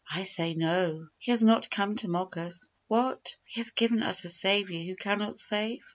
I say, No, He has not come to mock us. What? He has given us a Saviour who cannot save?